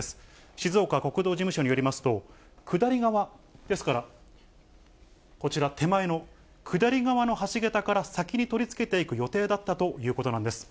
静岡国道事務所によりますと、下り側、ですから、こちら、手前の下り側の橋桁から先に取り付けていく予定だったということなんです。